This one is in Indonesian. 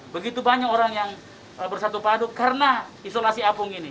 begitu banyak orang yang bersatu padu karena isolasi apung ini